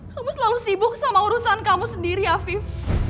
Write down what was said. kamu selalu sibuk sama urusan kamu sendiri didn't you